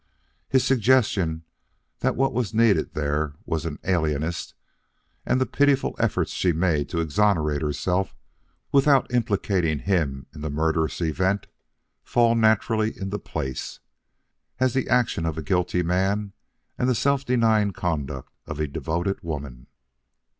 His suggestion that what was needed there was an alienist, and the pitiful efforts she made to exonerate herself without implicating him in the murderous event, fall naturally into place, as the action of a guilty man and the self denying conduct of a devoted woman.'"